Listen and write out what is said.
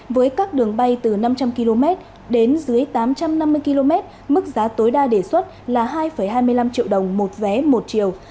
với các đường bay từ năm trăm linh km đến dưới tám trăm năm mươi km mức giá tối đa đề xuất là hai hai mươi năm triệu đồng một vé một chiều